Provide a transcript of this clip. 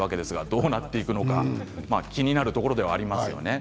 どうなっていくのか気になるところではありますね。